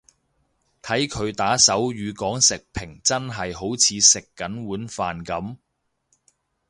睇佢打手語講食評真係好似食緊碗飯噉